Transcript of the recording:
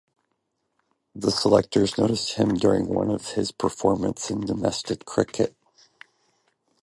The selectors noticed him during one of his performances in domestic cricket.